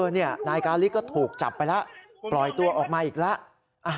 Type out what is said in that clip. นี่นายกาลิก็ถูกจับไปแล้วปล่อยตัวออกมาอีกแล้ว